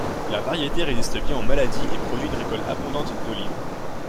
La variété résiste bien aux maladies et produit une récolte abondante d'olives.